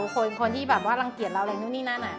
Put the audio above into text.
คนที่แบบว่ารังเกียจเราอะไรนู่นนี่นั่น